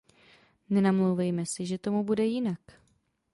Nenamlouvejme si, že tomu bude jinak.